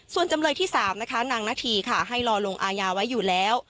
ส่วนจำเลยที่๓นะคะนางนาธีค่ะให้รอลงอายาไว้อยู่แล้ว